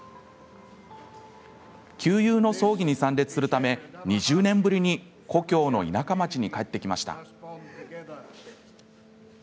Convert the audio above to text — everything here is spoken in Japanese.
旧友の葬儀に参列するため２０年ぶりに故郷の田舎町に帰って来ました。